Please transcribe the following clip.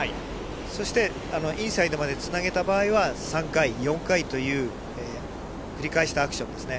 そしてインサイドまでつなげた場合は３回、４回という繰り返したアクションですね。